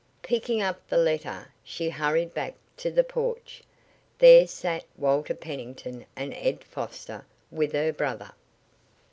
Picking up the letter she hurried back to the porch. There sat Walter Pennington and Ed Foster with her brother.